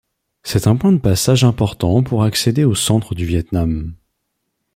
C'est un point de passage important pour accéder au centre du Viêt Nam.